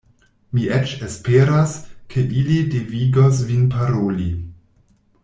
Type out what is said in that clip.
Mi eĉ esperas, ke ili devigos vin paroli.